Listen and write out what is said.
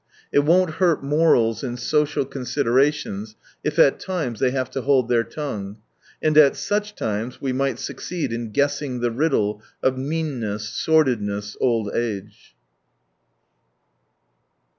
It won't hurt morals and social considerations if at times they have to hold their tongue^— and at such times we might succeed in guessing the riddle of meanness, sordidness, old age.